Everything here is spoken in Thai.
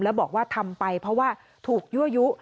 แล้วบอกว่าทำไปเพราะว่าถูกยั่วยุ